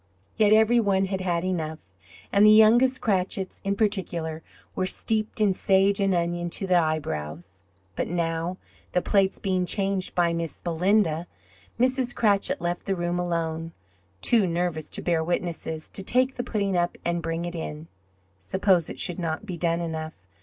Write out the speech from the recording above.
Yet every one had had enough, and the youngest Cratchits in particular were steeped in sage and onion to the eyebrows! But now, the plates being changed by Miss Belinda, Mrs. Cratchit left the room alone too nervous to bear witnesses to take the pudding up, and bring it in. Suppose it should not be done enough?